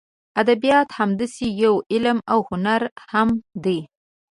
ادبیات همداسې یو علم او هنر هم دی.